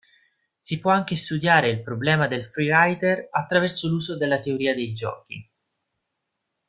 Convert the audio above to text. Si può anche studiare il problema del "free-rider" attraverso l'uso della teoria dei giochi.